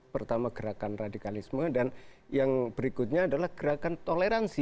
pertama gerakan radikalisme dan yang berikutnya adalah gerakan toleransi